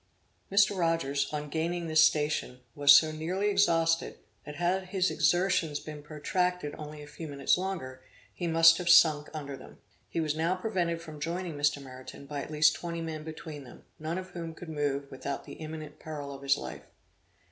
Mr. Rogers on gaining this station, was so nearly exhausted, that had his exertions been protracted only a few minutes longer, he must have sunk under them. He was now prevented from joining Mr. Meriton, by at least twenty men between them, none of whom could move without the imminent peril of his life.